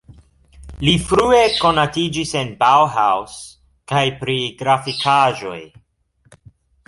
Li frue konatiĝis en Bauhaus kaj pri grafikaĵoj.